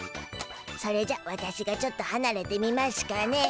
それじゃワタシがちょっとはなれてみましゅかね。